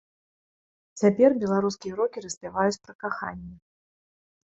Цяпер беларускія рокеры спяваюць пра каханне.